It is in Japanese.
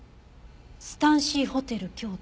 「スタンシーホテル京都」。